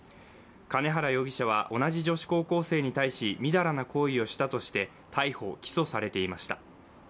兼原容疑者は同じ女子高校生に対し淫らな行為をしたとして、逮捕・起訴されていました。